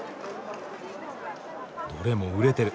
どれも熟れてる。